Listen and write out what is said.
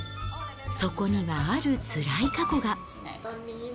そこにはあるつらい過去が。